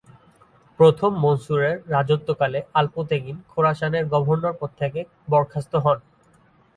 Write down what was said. প্রথম মনসুরের রাজত্বকালে আল্প-তেগিন খোরাসানের গভর্নর পদ থেকে বরখাস্ত হন।